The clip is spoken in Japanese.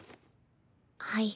はい。